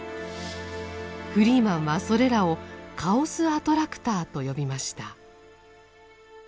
フリーマンはそれらをカオス・アトラクターと呼びました。